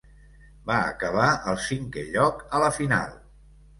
Va acabar al cinquè lloc a la final.